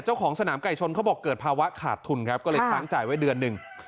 เจ้าของสนามไก่ชนเขาบอกเกิดภาวะขาดทุนครับก็เลยค้างจ่ายไว้เดือนหนึ่ง